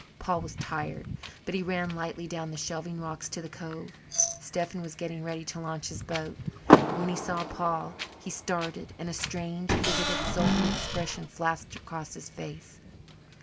Paul was tired, but he ran lightly down the shelving rocks to the cove. Stephen was getting ready to launch his boat. When he saw Paul he started and a strange, vivid, exultant expression flashed across his face.